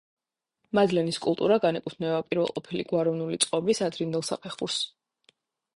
მადლენის კულტურა განეკუთვნება პირველყოფილი გვაროვნული წყობის ადრინდელ საფეხურს.